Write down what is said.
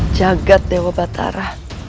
jagad dewa batara